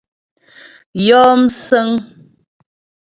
Yɔ msə̌ŋ.